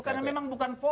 karena memang bukan fokus